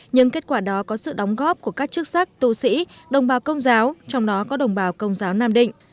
những kết quả đó có sự đóng góp của các chức sắc tu sĩ đồng bào công giáo trong đó có đồng bào công giáo nam định